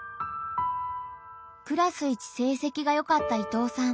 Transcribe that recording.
クラス一成績がよかった伊藤さん。